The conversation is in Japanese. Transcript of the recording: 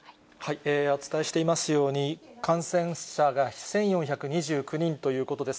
お伝えしていますように、感染者が１４２９人ということです。